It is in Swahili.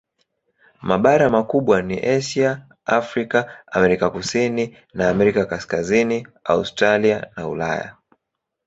Mabara makubwa ni Asia, Afrika, Amerika Kusini na Amerika Kaskazini, Australia na Ulaya.